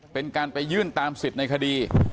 เป็นการไปยื่นตามสิทธิ์ในคดี